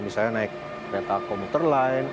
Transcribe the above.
misalnya naik metal commuter line